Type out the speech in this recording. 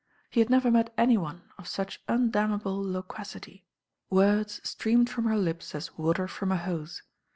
He had never met any one of such undammable loquacity. Words streamed from her lips as water from a hose.